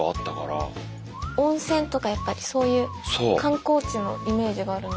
温泉とかやっぱりそういう観光地のイメージがあるので。